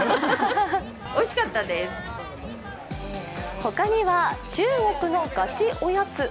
ほかには中国のガチおやつ。